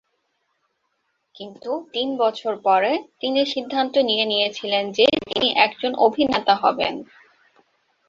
কিন্তু তিন বছর পরে, তিনি সিদ্ধান্ত নিয়ে নিয়েছিলেন যে তিনি একজন অভিনেতা হবেন।